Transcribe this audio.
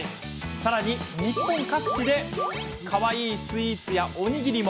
さらに、日本各地でかわいいスイーツやおにぎりも。